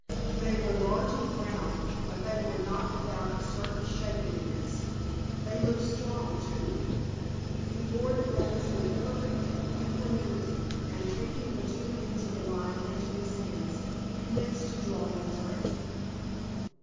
They were large and brown, but they were not without a certain shapeliness. They looked strong, too. He bore the glance with perfect equanimity, and, taking the two ends of the line into his hands, commenced to draw them tighter.